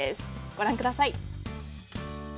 ご覧ください。